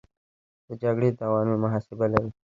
د جګړې د تاوانونو محاسبه لري.